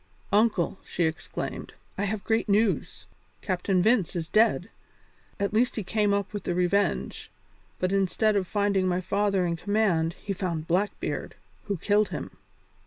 "Uncle," she exclaimed, "I have great news. Captain Vince is dead. At last he came up with the Revenge, but instead of finding my father in command he found Blackbeard, who killed him.